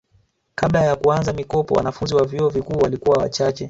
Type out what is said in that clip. kabla ya kuanza mikopo wananfunzi wa vyuo vikuu walikuwa wachache